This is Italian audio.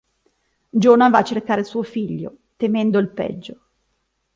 Giona va a cercare suo figlio, temendo il peggio.